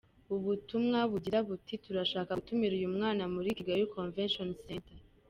Ubu butumwa bugira buti “Turashaka gutumira uyu mwana muri Kigali Convention Centre.